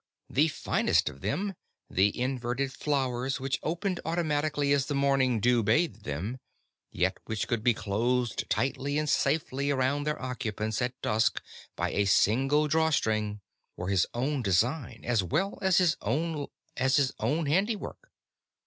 The finest of them, the inverted flowers which opened automatically as the morning dew bathed them, yet which could be closed tightly and safely around their occupants at dusk by a single draw string, were his own design as well as his own handiwork.